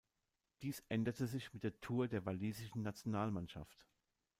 Dies änderte sich mit der Tour der walisischen Nationalmannschaft.